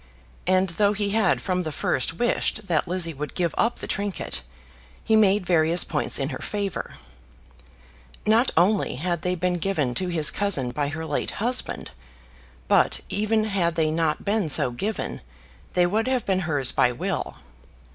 And though he had from the first wished that Lizzie would give up the trinket, he made various points in her favour. Not only had they been given to his cousin by her late husband, but even had they not been so given, they would have been hers by will.